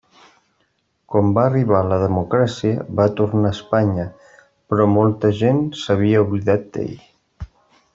Quan va arribar la democràcia va tornar a Espanya, però molta gent s'havia oblidat d'ell.